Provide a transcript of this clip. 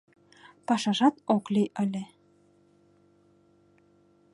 Пашажат ок лий ыле.